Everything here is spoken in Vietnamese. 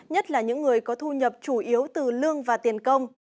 nhất là những người có thu nhập chủ yếu từ lương và tiền công